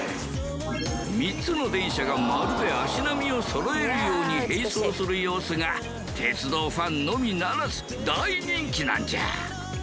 ３つの電車がまるで足並みをそろえるように並走する様子が鉄道ファンのみならず大人気なんじゃ。